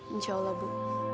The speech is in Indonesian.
insya allah bu